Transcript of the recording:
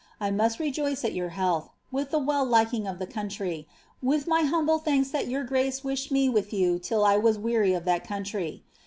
1 much rejoice at your health, rell liking of the country, with my humble thanks that your grace with you till I were weary of that country.